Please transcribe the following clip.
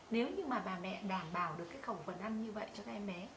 nếu như mà bà mẹ đảm bảo được cái khẩu phần ăn như vậy cho các em bé